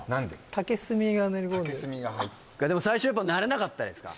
竹炭が最初やっぱ慣れなかったですか？